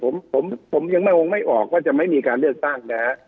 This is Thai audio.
ผมยังไม่ออกว่าจะไม่มีการเลือกตั้งแน่